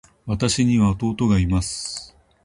私には弟がいます。